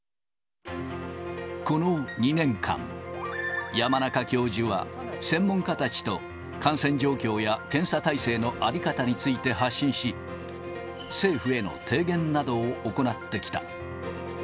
この２年間、山中教授は専門家たちと、感染状況や検査体制の在り方について発信し、政府への提言などを行ってきた。